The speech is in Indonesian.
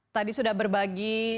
tadi sudah berbagi